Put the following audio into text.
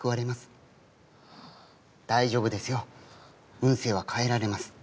運勢は変えられます。